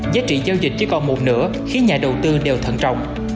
giá trị giao dịch chỉ còn một nửa khiến nhà đầu tư đều thận trọng